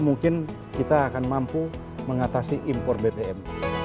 mungkin kita akan mampu mengatasi impor bbm